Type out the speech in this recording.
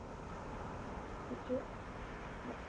Es abundante en el occidente y centro de la Amazonia.